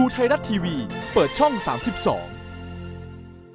คุณอาจสมตย์ไปร้องเพลงอีกนะ